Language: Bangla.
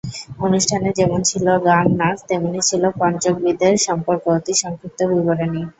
অনুষ্ঠানে যেমন ছিল গান, নাচ, তেমনই ছিল পঞ্চকবিদের সম্পর্কে অতি সংক্ষিপ্ত বিবরণী।